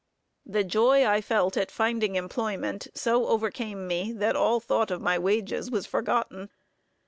The joy I felt at finding employment so overcame me, that all thought of my wages was forgotten.